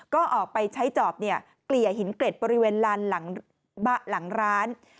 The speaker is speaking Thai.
ก็ออกไปใช้จอบเกลี่ยหินเกร็ดบริเวณลานหลังร้าน